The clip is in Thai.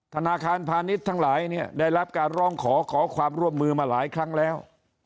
ธนาคารพาณิชย์ทั้งหลายเนี่ยได้รับการร้องขอขอความร่วมมือมาหลายครั้งแล้ว